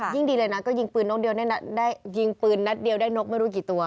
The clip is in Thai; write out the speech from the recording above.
ยิ่งดีเลยนะก็ยิงปืนนัดเดียวได้นกไม่รู้กี่ตัว